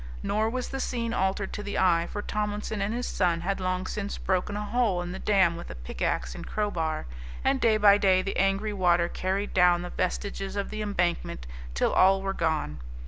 Nor was the scene altered to the eye, for Tomlinson and his son had long since broken a hole in the dam with pickaxe and crowbar, and day by day the angry water carried down the vestiges of the embankment till all were gone.